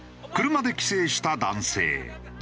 車で帰省した男性。